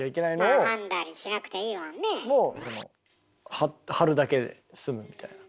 編んだりしなくていいもんね。をそのはるだけですむみたいな。